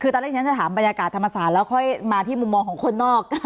ตอนนี้จะถามบรรยากาศธรรมศาลแล้วค่อยมาที่มุมมองของคนนอก